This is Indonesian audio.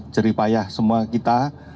jeripayah semua kita